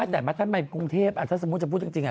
แต่ทำไมกรุงเทพถ้าสมมุติจะพูดจริง